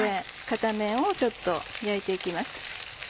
片面をちょっと焼いて行きます。